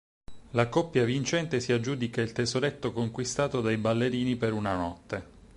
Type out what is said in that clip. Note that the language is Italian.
La coppia vincente si aggiudica il tesoretto conquistato dai ballerini per una notte.